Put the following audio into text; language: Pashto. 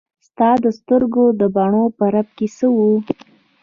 ستا د سترګو د بڼو په رپ کې څه وو.